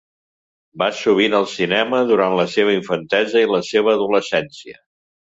Va sovint al cinema durant la seva infantesa i la seva adolescència.